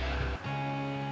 aku harus cari adriana